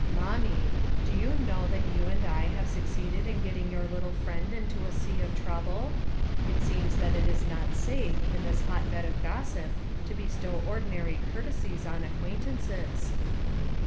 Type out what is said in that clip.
"Mornmie, do you know that you and I have succeeded in getting your little friend into a sea of trouble? It seems that it is not safe, in this hotbed of gossip, to bestow ordinary courtesies on acquaintances."